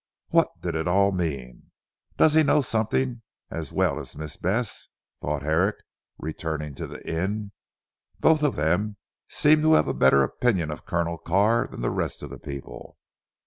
What did it all mean? "Does he know something, as well as Miss Bess?" thought Herrick returning to the inn. "Both of them seem to have a better opinion of Colonel Carr, than the rest of the people.